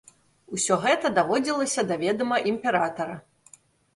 Усё гэта даводзілася да ведама імператара.